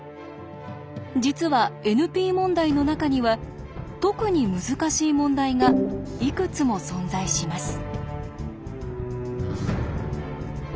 実はＮＰ問題の中には特に難しい問題がいくつも存在します。